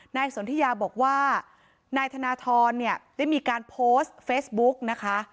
สนทิยาบอกว่านายธนทรเนี่ยได้มีการโพสต์เฟซบุ๊กนะคะ